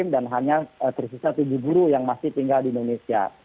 dan hanya tersisa tujuh guru yang masih tinggal di indonesia